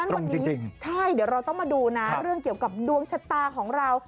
วันนี้ใช่เดี๋ยวเราต้องมาดูนะเรื่องเกี่ยวกับดวงชะตาของเรา